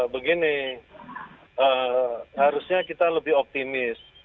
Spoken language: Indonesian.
begini harusnya kita lebih optimis